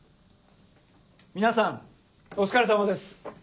皆さんお疲れさまです。